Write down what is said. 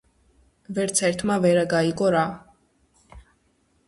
ვერც ერთმა ვერა გაიგო რა